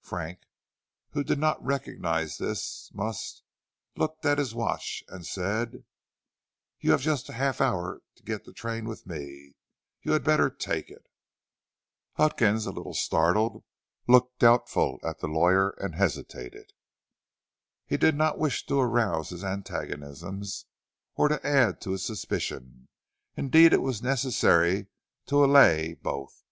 Frank, who did not recognize this must, looked at his watch and said: "You have just a half hour to get the train with me; you had better take it." Huckins, a little startled, looked doubtfully at the lawyer and hesitated. He did not wish to arouse his antagonism or to add to his suspicion; indeed it was necessary to allay both.